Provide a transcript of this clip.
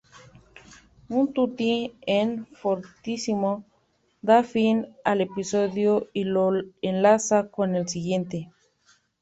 Un "tutti" en "fortissimo" da fin al episodio y lo enlaza con el siguiente.